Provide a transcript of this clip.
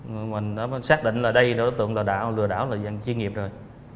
người mình đã xác định đây đối tượng lừa đảo là dân chuyên nghiệp rồi